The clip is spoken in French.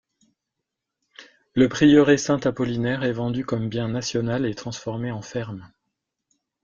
Le prieuré Saint-Apollinaire est vendu comme bien national et transformé en ferme.